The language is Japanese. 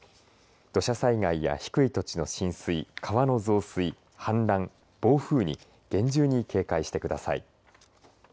土砂災害や低い土地の浸水川の増水、氾濫暴風に厳重に警戒してください。